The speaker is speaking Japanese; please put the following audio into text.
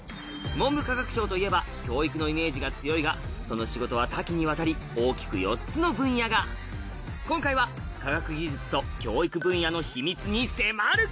文部科学省といえば教育のイメージが強いがその仕事は多岐にわたり大きく４つの分野が今回は科学技術と教育分野の秘密に迫る